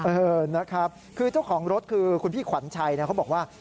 เออนะครับคือเจ้าของรถคือคุณพี่ขวัญชัยเขาบอกว่า